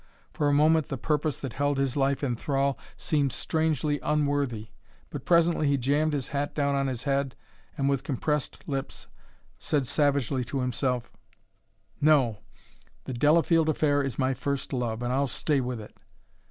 For a moment the purpose that held his life in thrall seemed strangely unworthy. But presently he jammed his hat down on his head and, with compressed lips, said savagely to himself: "No; the Delafield affair is my first love, and I'll stay with it."